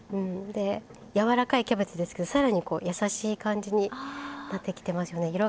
で柔らかいキャベツですけど更に優しい感じになってきてますよね。